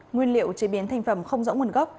nguyên liệu chế biến thành phẩm không dõng nguyên liệu